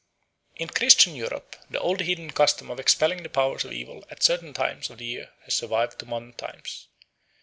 In Christian Europe the old heathen custom of expelling the powers of evil at certain times of the year has survived to modern times.